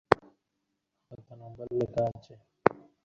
Dive চলাকালীন যে কোনো সময় বাচ্চার শ্বাসনালী বাধাপ্রাপ্ত হতে পারে।